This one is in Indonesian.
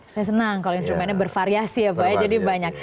saya senang kalau instrumennya bervariasi ya pak ya jadi banyak